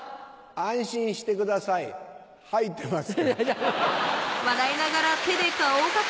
安心してください吐いてますから。